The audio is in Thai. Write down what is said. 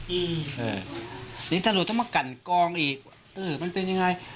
อืมเออนี่ตำรวจต้องมากันกองอีกเออมันเป็นยังไง